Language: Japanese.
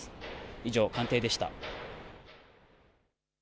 以上、官邸でした。